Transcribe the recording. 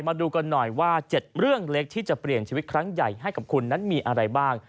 มาดูกันหน่อยว่า๗เรื่องเล็กที่จะเปลี่ยนชีวิตครั้งใหญ่ให้กับคุณนั้นมีอะไรบ้าง